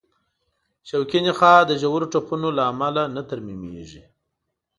شوکي نخاع د ژورو ټپونو له امله نه ترمیمېږي.